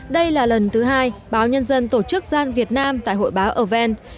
đây là lần thứ hai báo nhân dân tổ chức gian việt nam tại hội báo avan